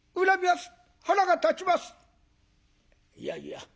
「いやいや。